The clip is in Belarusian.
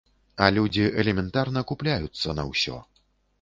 А людзі элементарна купляюцца на ўсё.